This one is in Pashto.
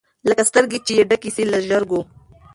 لکه سترګي چي یې ډکي سي له ژرګو